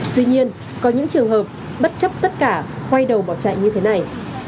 tuy nhiên có những trường hợp bất chấp tất cả quay đầu bỏ chạy như thế này